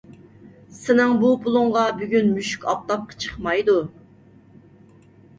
سېنىڭ بۇ پۇلۇڭغا بۈگۈن مۈشۈك ئاپتاپقا چىقمايدۇ.